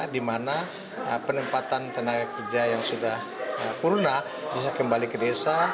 di mana penempatan tenaga kerja yang sudah purna bisa kembali ke desa